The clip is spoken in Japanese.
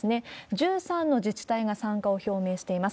１３の自治体が参加を表明しています。